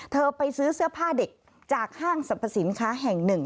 ไปซื้อเสื้อผ้าเด็กจากห้างสรรพสินค้าแห่งหนึ่ง